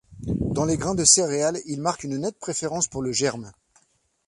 Dans les grains de céréales, il marque une nette préférence pour le germe.